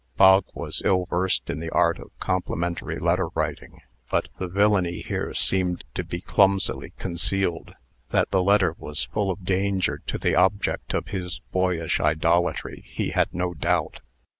Bog was ill versed in the art of complimentary letter writing. But the villany here seemed to be clumsily concealed. That the letter was full of danger to the object of his boyish idolatry, he had no doubt.